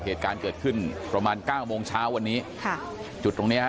เหตุการณ์เกิดขึ้นประมาณเก้าโมงเช้าวันนี้ค่ะจุดตรงเนี้ยฮะ